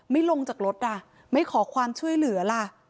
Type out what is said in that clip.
ลงจากรถอ่ะไม่ขอความช่วยเหลือล่ะ